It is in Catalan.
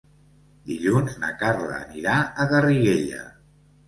Dilluns na Carla anirà a Garriguella.